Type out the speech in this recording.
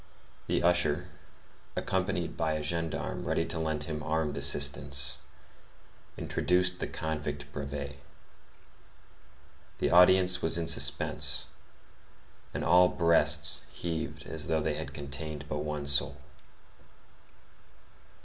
The usher, accompanied by a gendarme ready to lend him armed assistance, introduced the convict Brevet. The audience was in suspense; and all breasts heaved as though they had contained but one soul.